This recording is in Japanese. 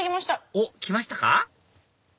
おっ来ましたか？